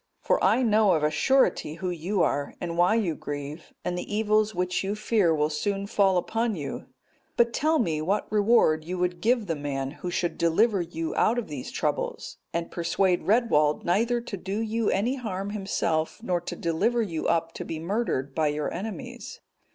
For I know of a surety who you are, and why you grieve, and the evils which you fear will soon fall upon you. But tell me, what reward you would give the man who should deliver you out of these troubles, and persuade Redwald neither to do you any harm himself, nor to deliver you up to be murdered by your enemies."